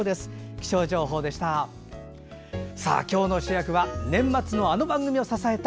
気象情報でした。